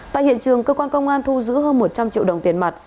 tại hiện trường cơ quan công an thu giữ hơn một trăm linh triệu đồng tiền mặt